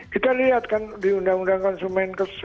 kita lihat kan di undang undang konsumen